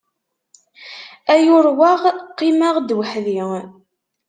Ay urweɣ, qqimeɣ-d weḥd-i!